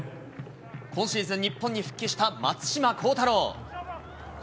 今シーズン日本に復帰した松島幸太朗。